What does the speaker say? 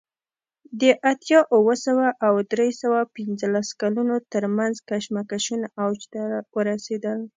د اتیا اوه سوه او درې سوه پنځلس کلونو ترمنځ کشمکشونه اوج ته ورسېدل